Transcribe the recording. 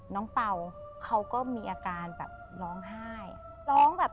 น้องเปล่าเขาก็มีอาการร้องไห้